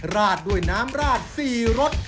ราดด้วยน้ำราด๔รส